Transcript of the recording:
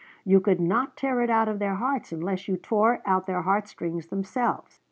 You could not tear it out of their hearts unless you tore out their heart strings themselves.